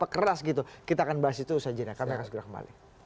keras gitu kita akan bahas itu saja